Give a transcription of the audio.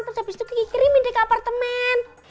terus abis itu kiki kirimin deh ke apartemen